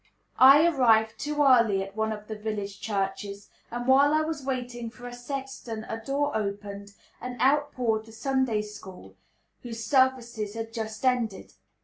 I arrived too early at one of the village churches, and while I was waiting for a sexton a door opened, and out poured the Sunday school, whose services had just ended.